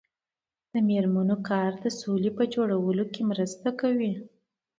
د میرمنو کار د سولې جوړولو مرسته کوي.